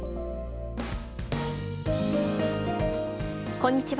こんにちは。